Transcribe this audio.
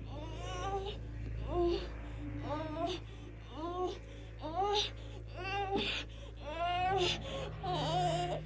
sebenarnya mes sekalipun men financial